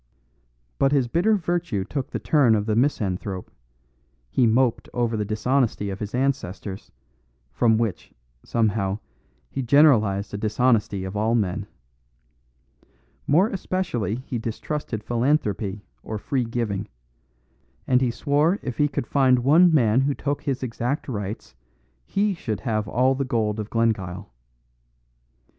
But his bitter virtue took the turn of the misanthrope; he moped over the dishonesty of his ancestors, from which, somehow, he generalised a dishonesty of all men. More especially he distrusted philanthropy or free giving; and he swore if he could find one man who took his exact rights he should have all the gold of Glengyle.